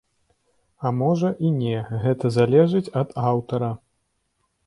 А можа, і не, гэта залежыць ад аўтара.